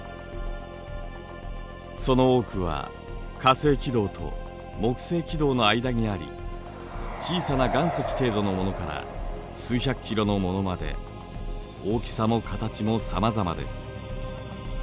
その多くは火星軌道と木星軌道の間にあり小さな岩石程度のものから数百キロのものまで大きさも形もさまざまです。